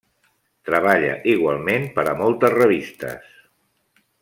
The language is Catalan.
Treballa igualment per a moltes revistes.